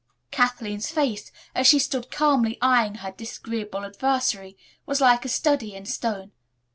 Kathleen's face, as she stood calmly eyeing her disagreeable adversary, was like a study in stone.